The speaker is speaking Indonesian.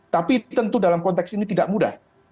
tapi tentu dalam konteks ini tidak mudah